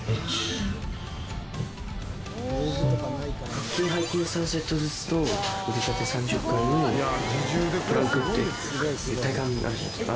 腹筋背筋３セットずつと腕立て３０回にプランクっていう体幹あるじゃないですか。